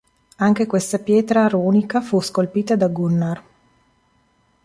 Anche questa pietra runica fu scolpita da Gunnar.